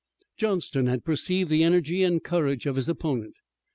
Johnston had perceived the energy and courage of his opponent.